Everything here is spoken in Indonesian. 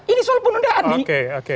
itu penundaan nih